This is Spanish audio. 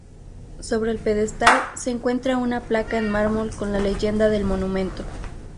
Sobre el pedestal se encuentra una placa en mármol con la leyenda del monumento.